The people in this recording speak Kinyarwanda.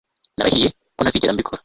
Narahiye ko ntazigera mbikora